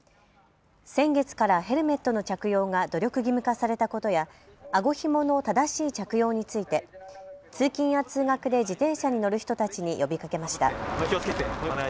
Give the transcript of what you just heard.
先月からヘルメットの着用が努力義務化されたことやあごひもの正しい着用について通勤や通学で自転車に乗る人たちに呼びかけました。